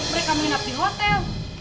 mereka menginap di hotel